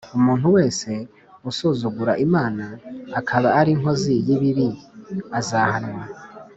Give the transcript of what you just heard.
umuntu wese asuzugura Imana akaba ari inkozi y ibibi azahanwa